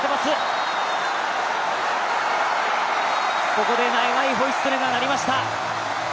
ここで長いホイッスルが鳴りました。